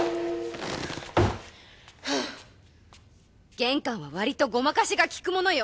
玄関はわりとごまかしが利くものよ！